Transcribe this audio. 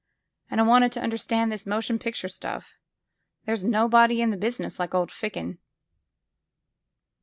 And I wanted to under stand this motion picture stuff — ^there's nobody in the business like old Ficken."